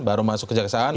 baru masuk ke kejaksaan